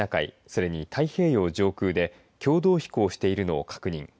それに太平洋上空で共同飛行しているのを確認。